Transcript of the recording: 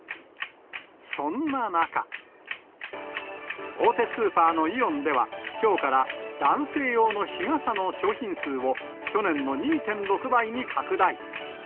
そんな中、大手スーパーのイオンでは、きょうから男性用の日傘の商品数を、去年の２．６倍に拡大。